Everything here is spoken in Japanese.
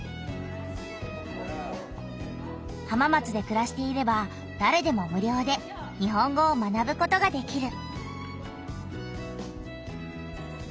浜松でくらしていればだれでも無料で日本語を学ぶことができる。